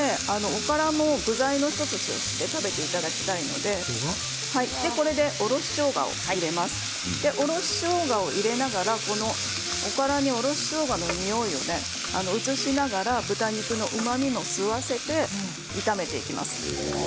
おからも具材の１つとして食べていただきたいのでここでおろししょうがを入れながらおからにおろししょうがのにおいを移しながら豚肉のうまみも吸わせて炒めていきます。